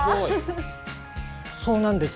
そうなんです。